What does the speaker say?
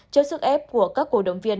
trước sức ép của các cổ động viên